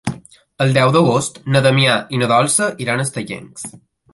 El deu d'agost na Damià i na Dolça iran a Estellencs.